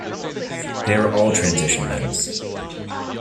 They are all transition metals.